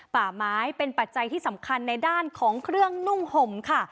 ป่าไม้เป็นปัจจัยที่สำคัญในด้านของเครื่องนุ่งห่มค่ะ